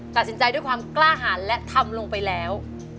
ตัดสินใจด้วยความกล้าหารและทำลงไปแล้ว